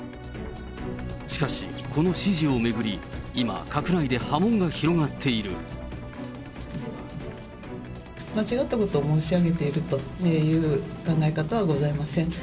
しかし、この指示を巡り、今、間違ったことを申し上げているという考え方はございません。